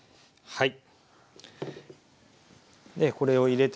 はい。